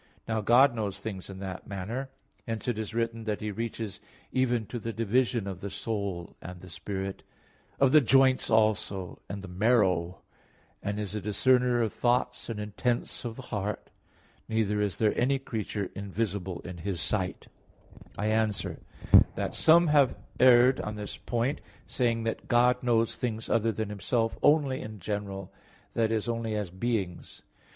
Now God knows things in that manner. Hence it is written that He reaches "even to the division of the soul and the spirit, of the joints also and the marrow, and is a discerner of thoughts and intents of the heart; neither is there any creature invisible in His sight" (Heb. 4:12,13). I answer that, Some have erred on this point, saying that God knows things other than Himself only in general, that is, only as beings.